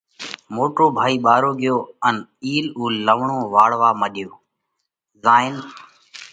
موٽو ڀائِي ٻارو ڳيو ان اِيل اُول لوَڻا واۯوَا مڏيو زائين